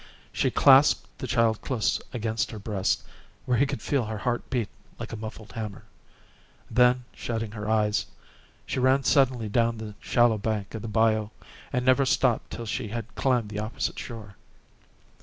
She clasped the child close against her breast, where he could feel her heart beat like a muffled hammer. Then shutting her eyes, she ran suddenly down the shallow bank of the bayou, and never stopped till she had climbed the opposite shore.